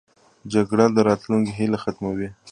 جګړه د راتلونکې هیله ختموي